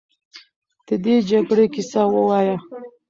د دې جګړې کیسه ووایه.